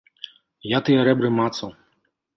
Я тыя рэбры мацаў.